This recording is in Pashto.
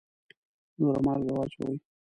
نوره مالګه واچوئ